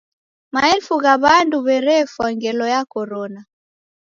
Maelfu gha w'andu w'erefwa ngelo ya Korona.